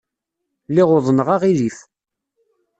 Lliɣ uḍneɣ aɣilif.